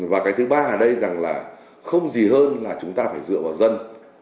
và cái thứ ba ở đây rằng là không gì hơn là chúng ta phải dựa vào dân